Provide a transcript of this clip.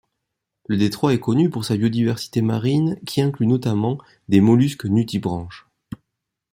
Le détroit est connu pour sa biodiversité marine, qui inclut notamment des mollusques nudibranches.